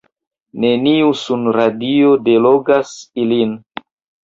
Neniu sunradio delogas ilin.